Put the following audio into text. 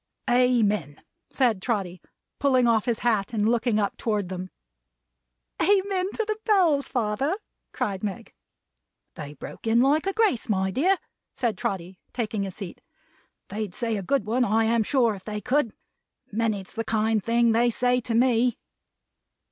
"Amen!" said Trotty, pulling off his hat and looking up toward them. "Amen to the Bells, father?" cried Meg. "They broke in like a grace, my dear," said Trotty, taking his seat. "They'd say a good one, I am sure, if they could. Many's the kind thing they say to me."